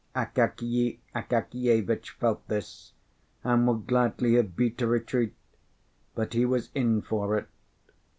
Akakiy Akakievitch felt this, and would gladly have beat a retreat; but he was in for it.